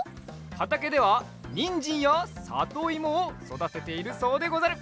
はたけではにんじんやさといもをそだてているそうでござる。